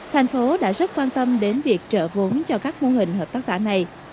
thành phố đã rất quan tâm đến việc trợ vốn cho các mô hình hợp tác xã này